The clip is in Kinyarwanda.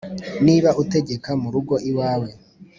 niba utegeka mu rugo iwawe